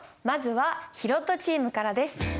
まずはひろとチームからです。